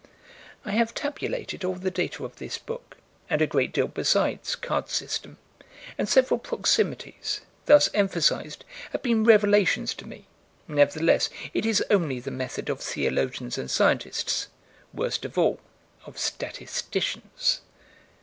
I have tabulated all the data of this book, and a great deal besides card system and several proximities, thus emphasized, have been revelations to me: nevertheless, it is only the method of theologians and scientists worst of all, of statisticians.